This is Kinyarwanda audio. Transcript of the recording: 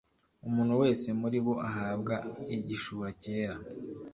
Umuntu wese muri bo ahabwa igishura cyera,